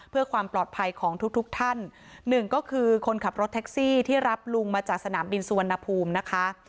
เพื่อความปลอดภัยของทุกทุกท่านหนึ่งก็คือคนขับรถแท็กซี่ที่รับลุงมาจากสนามบินสุวรรณภูมินะคะ